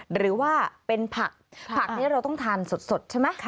หรือว่าเป็นผักผักนี้เราต้องทานสดใช่ไหม